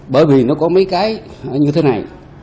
bởi vì nó có mấy cái như thế này